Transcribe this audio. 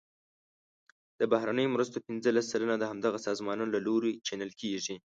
د بهرنیو مرستو پنځلس سلنه د همدغه سازمانونو له لوري چینل کیږي.